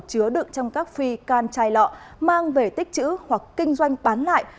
chứa đựng trong các phi can chai lọ mang về tích chữ hoặc kinh doanh bán lại